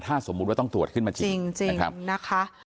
ถ้าสมมุติว่าต้องตรวจขึ้นมาจริงนะคะ